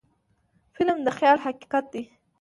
فلم د خیال حقیقت دی